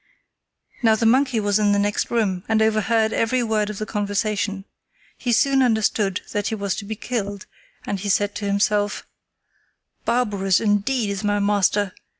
Now the monkey was in the next room and overheard every word of the conversation. He soon understood that he was to be killed, and he said to himself: "Barbarous, indeed, is my master!